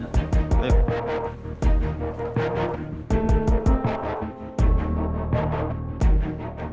makasih om baik